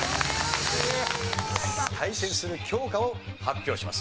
対戦する教科を発表します。